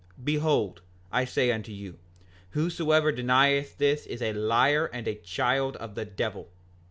Behold, I say unto you, whosoever denieth this is a liar and a child of the devil.